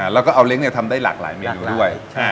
แล้วก็เอาเล้งทำได้หลากหลายเมนูด้วย